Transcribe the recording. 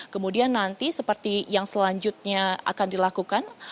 kemudian nanti seperti yang selanjutnya akan dilakukan